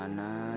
saya k est winter